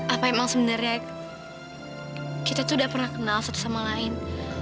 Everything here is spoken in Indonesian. apa emang sebenarnya kita tuh udah pernah kenal satu sama lain